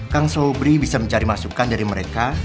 kang sobri bisa mencari masukan dari mereka